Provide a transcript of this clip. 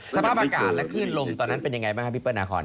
สภาพอากาศและคลื่นลมว่าเป็นยังไงบ้างป้าบีหนาคอร์น